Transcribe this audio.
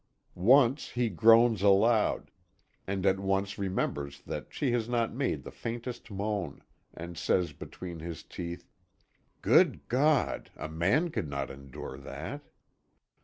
Once he groans aloud, and at once remembers that she has not made the faintest moan, and says between his teeth: "Good God! A man could not endure that."